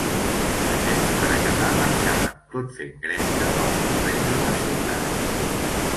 Aquests, per acabar marxaven tot fent gresca pels carrers de la ciutat.